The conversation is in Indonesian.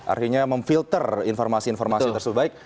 artinya memfilter informasi informasi tersebut baik